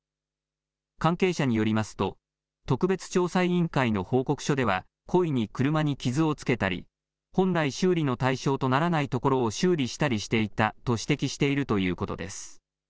関係者によりますと特別調査委員会の報告書では故意に車に傷をつけたり本来、修理の対象とならない所を修理したりしていたと指摘しているということです。